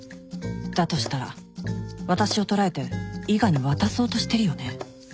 だとしたら私を捕らえて伊賀に渡そうとしてるよね？